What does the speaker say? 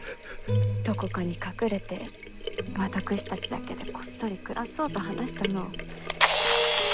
どこかに隠れて私たちだけでこっそり暮らそうと話したのを。